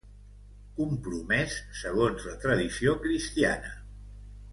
Compromès segons la tradició cristiana.